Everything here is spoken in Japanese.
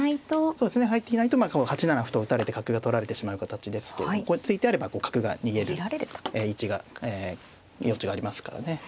そうですね入っていないと８七歩と打たれて角が取られてしまう形ですけど突いてあれば角が逃げる位置が余地がありますからね。